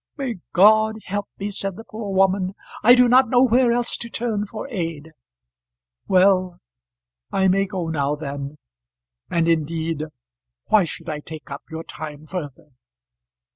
"May God help me!" said the poor woman. "I do not know where else to turn for aid. Well; I may go now then. And, indeed, why should I take up your time further?"